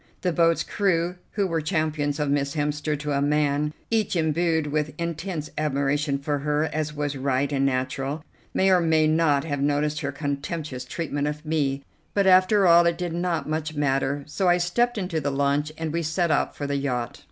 The boat's crew, who were champions of Miss Hemster to a man, each embued with intense admiration for her, as was right and natural, may or may not have noticed her contemptuous treatment of me; but after all it did not much matter, so I stepped into the launch and we set out for the yacht.